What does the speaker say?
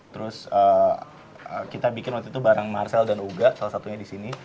terus kita bikin waktu itu bareng marcel dan uga salah satunya disini